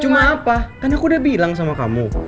cuma apa kan aku udah bilang sama kamu